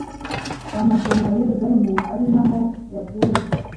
bamuzana i yeruzalemu, ari na ho yaguye